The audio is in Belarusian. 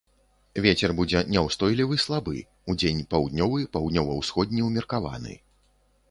Вецер будзе няўстойлівы слабы, удзень паўднёвы, паўднёва-ўсходні ўмеркаваны.